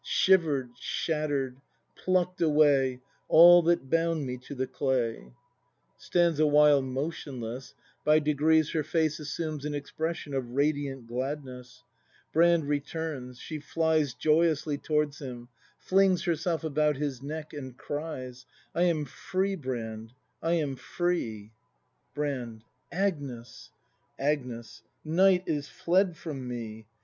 Shiver'd, shatter'd— pluck'd away — All that bound me to the clay. [Stands a while motionless; by degrees her face assumes an expression of radiant gladness. Brand returns; she flies joyously toivards him, flings herself about his neck, and cries.] I am free, Brand, I am free! Brand. Agnes ! Agnes. Nicrht is fled from me!